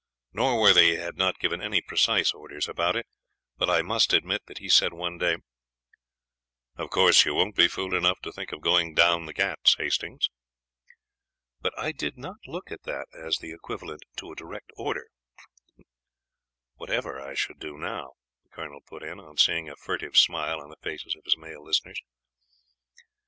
Norworthy had not given any precise orders about it, but I must admit that he said one day: "'Of course you won't be fool enough to think of going down the Ghauts, Hastings?' But I did not look at that as equivalent to a direct order whatever I should do now," the colonel put in, on seeing a furtive smile on the faces of his male listeners.